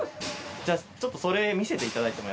じゃあちょっとそれ見せていただいても。